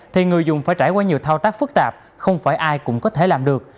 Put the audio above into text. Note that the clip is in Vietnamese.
thì người dùng phải trải qua nhiều thao tác phức tạp không phải ai cũng có thể làm được